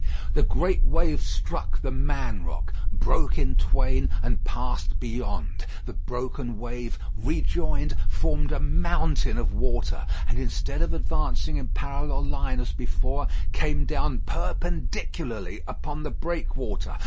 The great wave struck "The Man Rock," broke in twain, and passed beyond. The broken wave, rejoined, formed a mountain of water, and instead of advancing in parallel line as before, came down perpendicularly upon the breakwater.